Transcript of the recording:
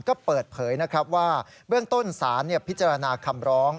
ก็เปิดเผยนะครับว่าเบื้องต้นศาลพิจารณาคำร้อง